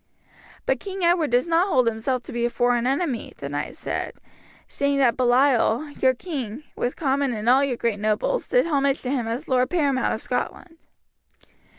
"But King Edward does not hold himself to be a foreign enemy," the knight said, "seeing that Baliol, your king, with Comyn and all your great nobles, did homage to him as Lord Paramount of Scotland."